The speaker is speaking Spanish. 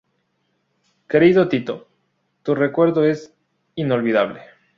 Querido Tito, tu recuerdo es inolvidable".